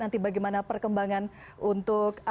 nanti bagaimana perkembangan untuk